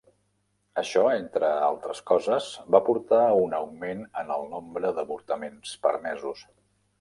Això, entre altres coses, va portar a un augment en el nombre d'avortaments permesos.